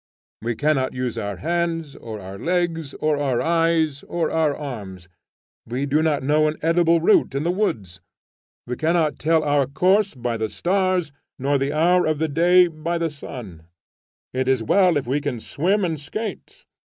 We cannot use our hands, or our legs, or our eyes, or our arms. We do not know an edible root in the woods, we cannot tell our course by the stars, nor the hour of the day by the sun. It is well if we can swim and skate.